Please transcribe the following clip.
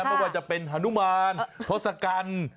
ไม่ว่าจะเป็นฮานุมานทศกัณฐ์